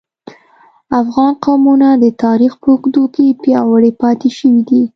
افغان قومونه د تاریخ په اوږدو کې پیاوړي پاتې شوي دي